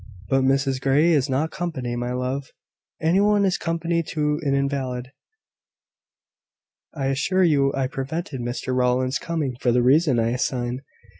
"But Mrs Grey is not company, my love." "Any one is company to an invalid. I assure you I prevented Mr Rowland's coming for the reason I assign.